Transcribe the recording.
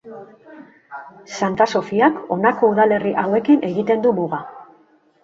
Santa Sofiak honako udalerri hauekin egiten du muga.